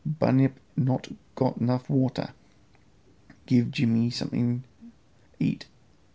Bunyip not got 'nuff water. Give Jimmy something eat.